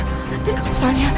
nanti kalau masalahnya